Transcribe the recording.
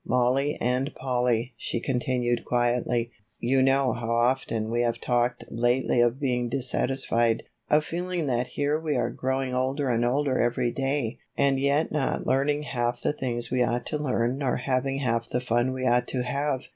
"Mollie and Polly," she continued quietly, "You know how often we have talked lately of being dissatisfied, of feeling that here we are growing older and older every day and yet not learning half the things we ought to learn nor having half the fun we ought to have.